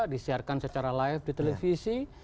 disiarkan secara live di televisi